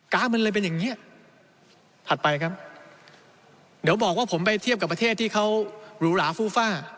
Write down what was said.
มันเลยเป็นอย่างเงี้ยถัดไปครับเดี๋ยวบอกว่าผมไปเทียบกับประเทศที่เขาหรูหลาฟูฟ่า